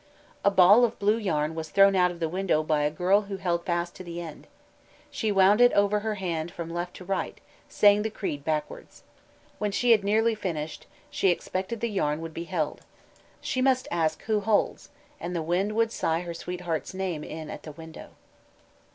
A ball of blue yarn was thrown out of the window by a girl who held fast to the end. She wound it over on her hand from left to right, saying the Creed backwards. When she had nearly finished, she expected the yarn would be held. She must ask "Who holds?" and the wind would sigh her sweetheart's name in at the window.